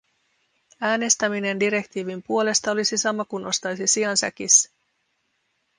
Äänestäminen direktiivin puolesta olisi sama kuin ostaisi sian säkissä.